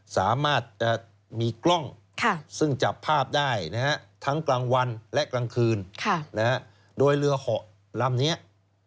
สามารถจะมีกล้องซึ่งจับภาพได้นะฮะทั้งกลางวันและกลางคืนโดยเรือเหาะลำนี้